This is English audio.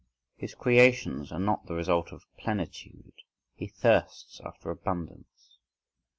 His creations are not the result of plenitude, he thirsts after abundance.